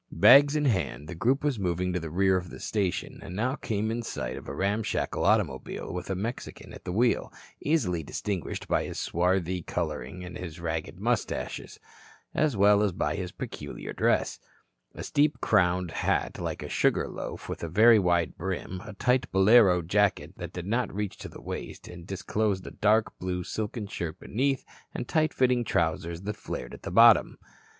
Bags in hand the group was moving to the rear of the station, and now came in sight of a ramshackle automobile with a Mexican at the wheel, easily distinguished by his swarthy coloring and his ragged mustaches, as well as by his peculiar dress a steep crowned hat like a sugar loaf, with a very wide brim, a tight bolero jacket that did not reach to the waist and disclosed a dark blue silken shirt beneath and tight fitting trousers that flared at the bottom.